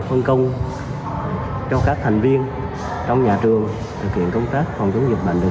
phân công cho các thành viên trong nhà trường thực hiện công tác phòng chống dịch bệnh